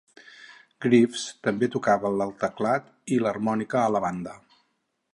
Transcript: Greaves també tocava el teclat i l'harmònica a la banda.